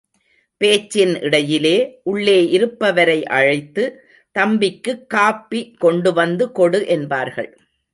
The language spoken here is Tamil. பேச்சின் இடையிலே, உள்ளே இருப்பவரை அழைத்து, தம்பிக்குக் காஃபி கொண்டு வந்து கொடு என்பார்கள்.